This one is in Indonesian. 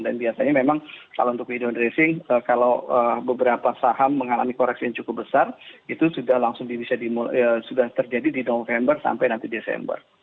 dan biasanya memang kalau untuk window dressing kalau beberapa saham mengalami koreksi yang cukup besar itu sudah langsung bisa terjadi di november sampai nanti desember